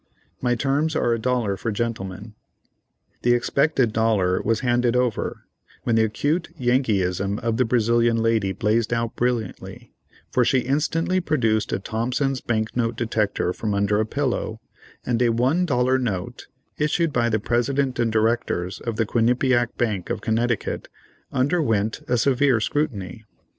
"My terms are a dollar for gentlemen." The expected dollar was handed over, when the 'cute Yankeeism of the Brazilian lady blazed out brilliantly, for she instantly produced a "Thompson's Bank note Detector" from under a pillow, and a one dollar note, issued by the President and Directors of the "Quinnipiack Bank" of Connecticut, underwent a severe scrutiny.